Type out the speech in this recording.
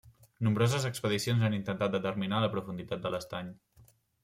Nombroses expedicions han intentat determinar la profunditat de l'estany.